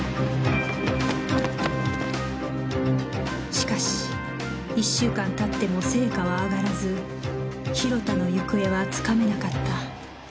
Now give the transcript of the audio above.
しかし１週間たっても成果は上がらず広田の行方はつかめなかった